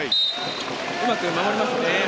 うまく守りましたね。